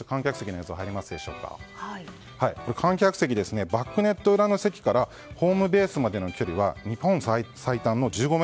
観客席、バックネット裏の席からホームベースまでの距離は日本最短の１５ｍ。